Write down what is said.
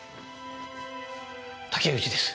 竹内です。